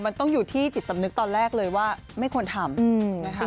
มันต้องอยู่ที่จิตสำนึกตอนแรกเลยว่าไม่ควรทำนะคะ